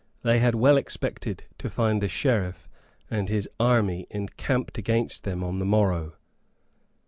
They well expected to find the Sheriff and his army encamped against them on the morrow.